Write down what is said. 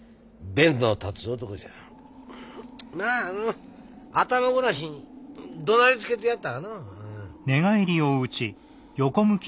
まあ頭ごなしにどなりつけてやったがの。